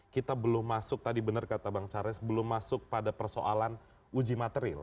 kita belum masuk tadi benar kata bang charles belum masuk pada persoalan uji materi